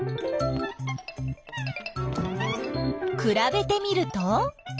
くらべてみると？